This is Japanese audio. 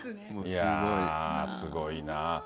いやー、すごいなぁ。